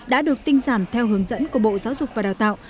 đã được tinh giản theo hướng dẫn của bộ giáo dục và đào tạo